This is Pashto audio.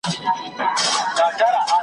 د خپل اصل سره وصل کړ.